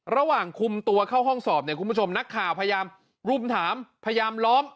ระหว่างคุมตัวเข้าห้องสอบเนี่ยคุณผู้ชมนักข่าวพยายามรุมถามพยายามล้อม